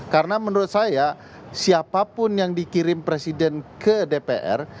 karena menurut saya siapapun yang dikirim presiden ke dpr